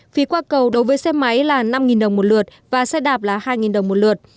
phí qua cầu đối với xe máy là năm đồng một lượt và xe đạp là hai đồng một lượt